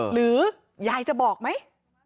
หรือยายจะบอกไหม